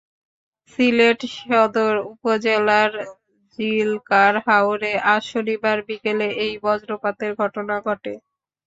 সিলেট সদর উপজেলার জিলকার হাওরে আজ শনিবার বিকেলে এই বজ্রপাতের ঘটনা ঘটে।